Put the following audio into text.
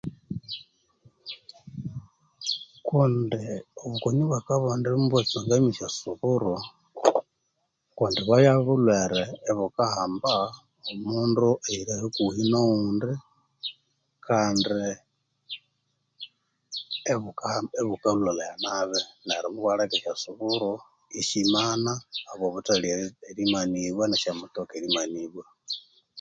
Kundi obukuno obwa kabunde mubwatsuka nesyasuburu kundi bwabya bulhwere ibukahamba omundu oyulihakuhi nowundi Kandi ibukalhwalhaya nabi neryo mubyaleka esyasuburu isimamana habwotali erimanibya nesyamutoka erimanibwa